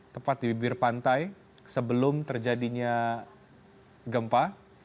tepat di bibir pantai sebelum terjadinya gempa